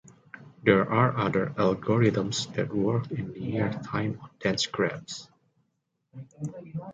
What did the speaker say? There are other algorithms that work in linear time on dense graphs.